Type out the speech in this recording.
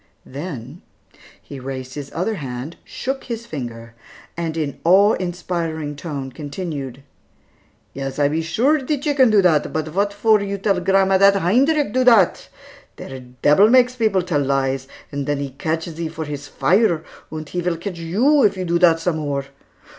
Then, he raised his other hand, shook his finger, and in awe inspiring tone continued: "Yes, I be sure die chicken do dat, but vot for you tell grandma dat Heinrick do dat? Der debil makes peoples tell lies, and den he ketch sie for his fire, und he vill ketch you, if you do dat some more.